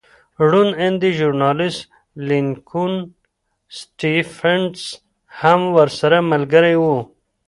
روڼ اندی ژورنالېست لینکولن سټېفنس هم ورسره ملګری و